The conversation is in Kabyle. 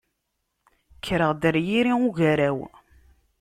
Kkreɣ-d ɣer yiri ugaraw.